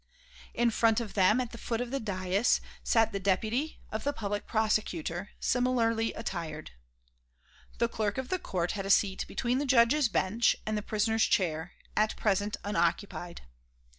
In front of them at the foot of the daïs, sat the deputy of the Public Prosecutor, similarly attired. The clerk of the court had a seat between the judges' bench and the prisoner's chair, at present unoccupied.